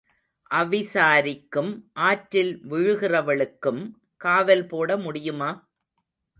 அவிசாரிக்கும் ஆற்றில் விழுகிறவளுக்கும் காவல் போட முடியுமா?